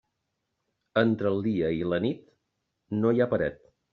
Entre el dia i la nit, no hi ha paret.